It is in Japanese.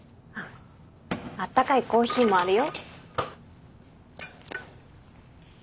あったかいコーヒーもあるよ。